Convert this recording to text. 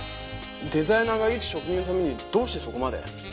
デザイナーが一職人のためにどうしてそこまで？